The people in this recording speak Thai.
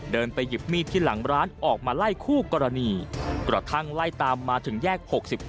ไปหยิบมีดที่หลังร้านออกมาไล่คู่กรณีกระทั่งไล่ตามมาถึงแยก๖๙